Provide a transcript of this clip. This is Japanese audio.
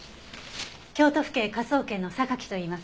京都府警科捜研の榊といいます。